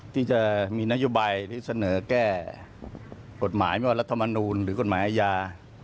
ที่จะมีนโยบายที่เสนอแก้กฎหมายไม่ว่ารัฐมนูลหรือกฎหมายอาญา